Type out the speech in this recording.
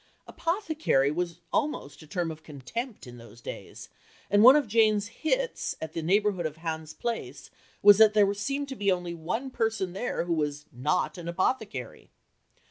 Apothecary was almost a term of contempt in those days, and one of Jane's hits at the neighbourhood of Hans Place was that there seemed to be only one person there who was "not an apothecary."